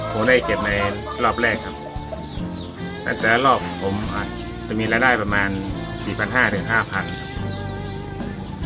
ผมได้เก็บในรอบแรกครับแต่ละรอบผมอาจจะมีรายได้ประมาณสี่พันห้าถึงห้าพันครับ